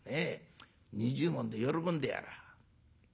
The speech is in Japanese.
２０文で喜んでやら。